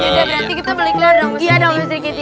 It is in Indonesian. ya udah berarti kita balik lagi dong serikiti